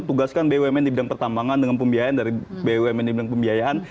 tugaskan bumn di bidang pertambangan dengan pembiayaan dari bumn di bidang pembiayaan